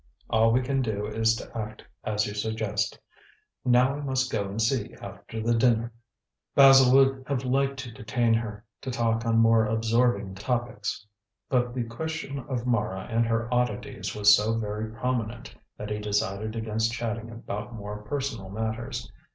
All we can do is to act as you suggest. Now I must go and see after the dinner." Basil would have liked to detain her, to talk on more absorbing topics. But the question of Mara and her oddities was so very prominent, that he decided against chatting about more personal matters.